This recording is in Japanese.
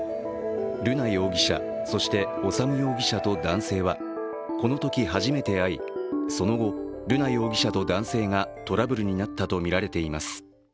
瑠奈容疑者、そして修容疑者と男性はこのとき初めて会い、その後、瑠奈容疑者と男性がトラブルになったとみられています。